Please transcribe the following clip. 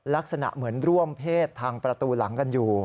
ลักษณะเหมือนร่วมเพศทางประตูหลังกันอยู่